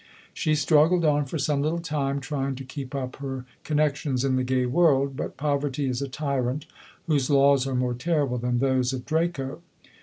She struggled on for some little time, trying to keep up her connexions in the gay world ; but poverty is a tyrant, whose laws are more terrible than those of Draco.